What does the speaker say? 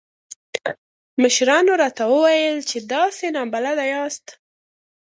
مشرانو راته وويل چې تاسې نابلده ياست.